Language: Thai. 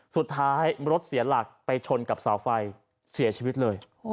สุดท้ายรถเสียหลักไปชนกับเสาไฟเสียชีวิตเลย